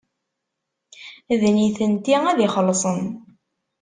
D nitenti ad ixellṣen.